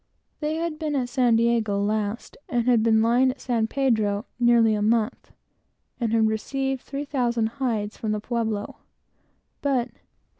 They had been at San Diego last, had been lying at San Pedro nearly a month, and had received three thousand hides from the pueblo.